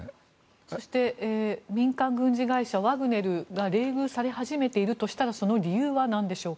そして民間軍事会社ワグネルが冷遇され始めているとしたらその理由はなんでしょうか。